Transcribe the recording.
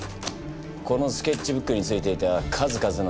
このスケッチブックについていた数々のシミ。